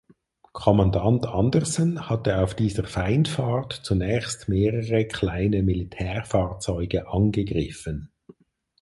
Kommandant Andersen hatte auf dieser Feindfahrt zunächst mehrere kleine Militärfahrzeuge angegriffen.